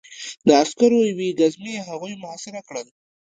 د عسکرو یوې ګزمې هغوی محاصره کړل